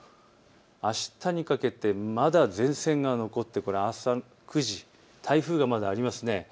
あしたにかけてまだ前線が残って朝９時、台風がまだありますね。